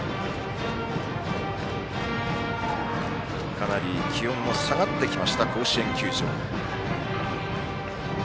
かなり気温も下がってきました甲子園球場。